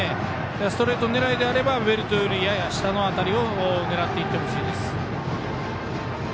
ストレート狙いであればベルトよりやや下の辺りを狙っていってほしいです。